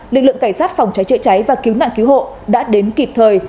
lực lượng cảnh sát phòng cháy chữa cháy và cứu nạn cứu hộ đã đến kịp thời